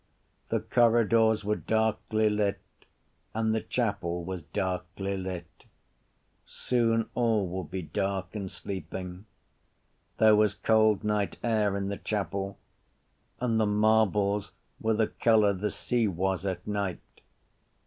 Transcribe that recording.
The corridors were darkly lit and the chapel was darkly lit. Soon all would be dark and sleeping. There was cold night air in the chapel and the marbles were the colour the sea was at night.